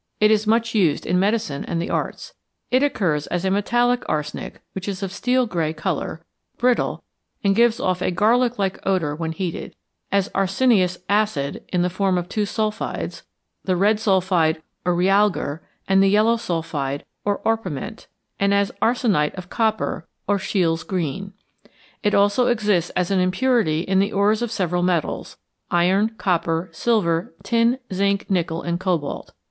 It is much used in medicine and the arts. It occurs as metallic arsenic, which is of a steel grey colour, brittle, and gives off a garlic like odour when heated; as arsenious acid; in the form of two sulphides the red sulphide, or realgar, and the yellow sulphide, or orpiment; and as arsenite of copper, or Scheele's green. It also exists as an impurity in the ores of several metals iron, copper, silver, tin, zinc, nickel, and cobalt.